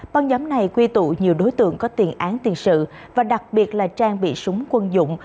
băng nhóm này quy tụ nhiều đối tượng có tiền án tiền sự và đặc biệt là trang bị súng quân dụng